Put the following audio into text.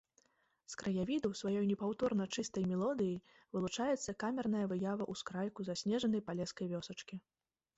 З краявідаў сваёй непаўторна-чыстай мелодыяй вылучаецца камерная выява ўскрайку заснежанай палескай вёсачкі.